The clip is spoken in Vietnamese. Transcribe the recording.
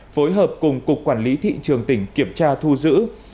phối hợp cùng cục quản lý thị trường tỉnh kiểm tra thu giữ